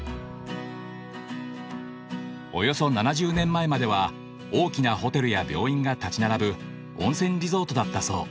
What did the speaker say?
およそ７０年前までは大きなホテルや病院が立ち並ぶ温泉リゾートだったそう。